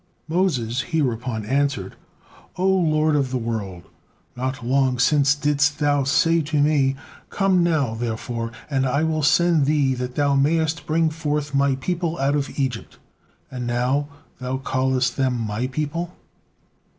Moses hereupon answered: "O Lord of the world! Not long since didst Thou say to me: 'Come now, therefore, and I will send thee that thou mayest bring forth My people out of Egypt;' and now Thou callest them my people.